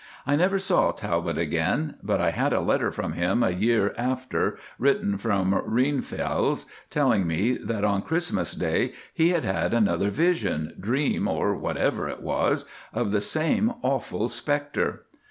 I never saw Talbot again, but I had a letter from him a year after written from Rhienfells, telling me that on Christmas day he had had another vision, dream, or whatever it was, of the same awful spectre.